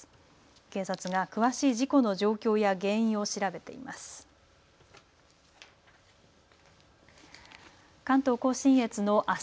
警察が詳しい事故の状況や原因を調べています。